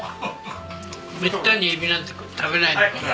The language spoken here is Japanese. めったに海老なんて食べないから。